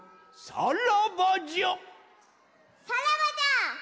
さらばじゃ！